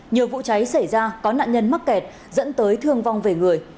nhiều vụ cháy xảy ra có nạn nhân mắc kẹt dẫn tới thương vong về người